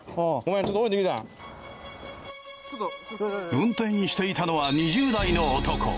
運転していたのは２０代の男。